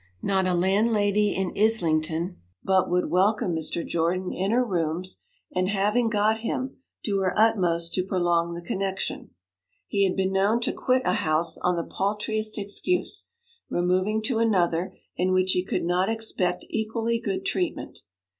Not a landlady in Islington but would welcome Mr. Jordan in her rooms, and, having got him, do her utmost to prolong the connection. He had been known to quit a house on the paltriest excuse, removing to another in which he could not expect equally good treatment.